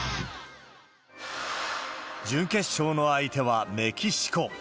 準決勝の相手はメキシコ。